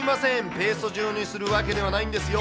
ペースト状にするわけではないんですよ。